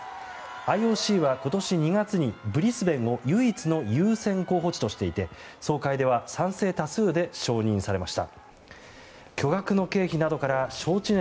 ＩＯＣは今年２月にブリスベンを唯一の優先候補地としていて総会では賛成多数で承認されました。